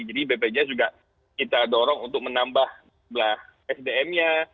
jadi bpjs juga kita dorong untuk menambah belah sdm nya